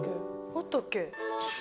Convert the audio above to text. あったっけ？